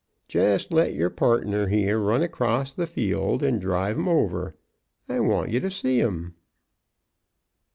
Jest let your partner here run across the field and drive 'em over. I want ye to see 'em."